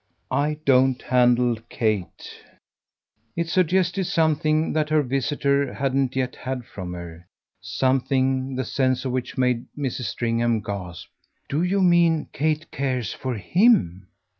"I don't handle Kate." It suggested something that her visitor hadn't yet had from her something the sense of which made Mrs. Stringham gasp. "Do you mean Kate cares for HIM?"